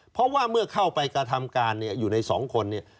เพราะว่าเมื่อเข้าไปกระทำการเนี่ยอยู่ในสองคนเนี่ย